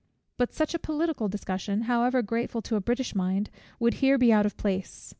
But such a political discussion, however grateful to a British mind, would here be out of place.